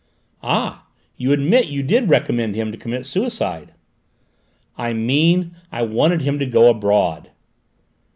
"Ah, you admit you did recommend him to commit suicide?" "I mean I wanted him to go abroad."